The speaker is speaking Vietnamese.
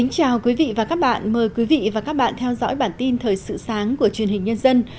chào mừng quý vị đến với bản tin thời sự sáng của truyền hình nhân dân